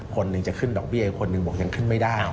คนหนึ่งจะขึ้นดอกเบี้ยคนหนึ่งบอกยังขึ้นไม่ได้